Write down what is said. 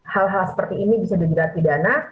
hal hal seperti ini bisa didatangi dana